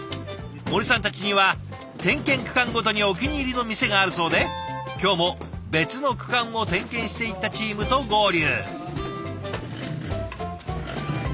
森さんたちには点検区間ごとにお気に入りの店があるそうで今日も別の区間を点検していたチームと合流。